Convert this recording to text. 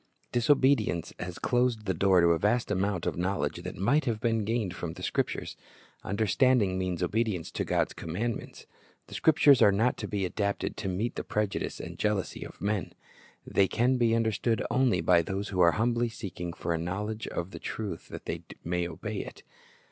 Disobedience has closed the door to a vast amount of knowledge that might have been gained from the Scriptures. Understanding means obedience to God's commandments. The Scriptures are not to be adapted to meet the prejudice and jealousy of men. They can be understood only by those who are humbly seeking for a knowledge of the truth that they may obey it.